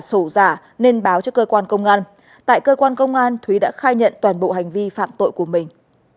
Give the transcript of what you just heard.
sổ giả nên báo cho cơ quan công an tại cơ quan công an thúy đã khai nhận toàn bộ hành vi phạm tội của mình